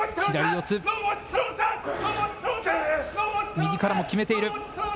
右からも決めている。